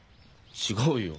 違うよ。